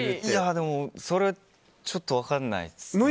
でも、それはちょっと分かんないですね。